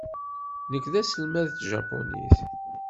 Nekk d aselmad n tjapunit.